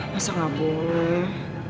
masa gak boleh